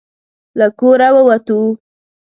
له کوره ووتو.